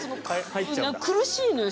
うん苦しいのよ。